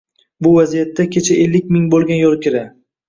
Bu vaziyatda kecha ellik ming bo‘lgan yo‘lkira